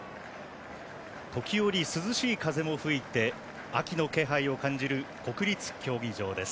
時折涼しい風も吹いて秋の気配を感じる国立競技場です。